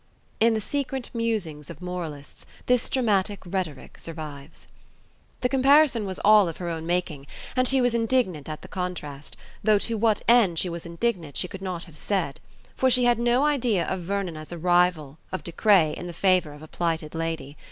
In the secret musings of moralists this dramatic rhetoric survives. The comparison was all of her own making, and she was indignant at the contrast, though to what end she was indignant she could not have said, for she had no idea of Vernon as a rival of De Craye in the favour of a plighted lady.